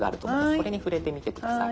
これに触れてみて下さい。